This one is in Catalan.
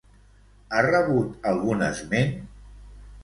Ha rebut algun esment?